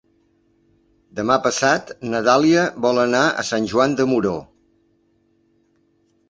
Demà passat na Dàlia vol anar a Sant Joan de Moró.